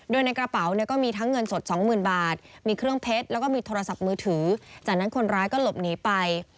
โดยในกระเป๋าเนี่ยก็มีทั้งเงินสดสองหมื่นบาทมีเครื่องเพชรแล้วก็มีโทรศัพท์มือถือจากนั้นคนร้ายก็หลบหนีไป